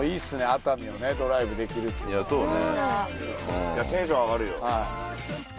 熱海をドライブできるっていやそうねテンション上がるよ